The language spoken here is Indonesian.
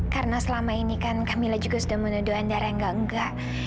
karena selama ini kan kamilah juga sudah menuduh anda yang gangga